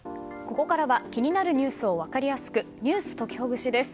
ここからは気になるニュースを分かりやすくｎｅｗｓときほぐしです。